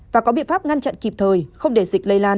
và có biện pháp ngăn chặn kịp thời không để dịch lây lan